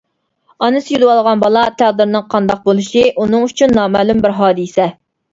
ئانىسى يۈدۈۋالغان بالا، تەقدىرنىڭ قانداق بولۇشى ئۇنىڭ ئۈچۈن نامەلۇم بىر ھادىسە.